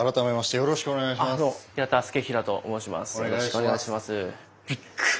よろしくお願いします。